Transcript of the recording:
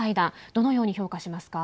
どのように評価しますか。